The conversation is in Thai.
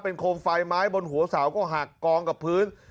โคมไฟไม้บนหัวเสาก็หักกองกับพื้น